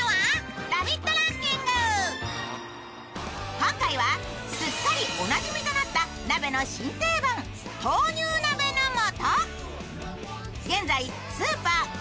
今回はすっかりおなじみとなって鍋の定番、豆乳鍋の素。